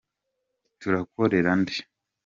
Turakorera nde.